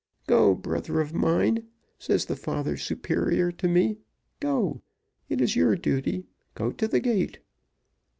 'Go, brother of mine,' says the father superior to me, 'go; it is your duty go to the gate.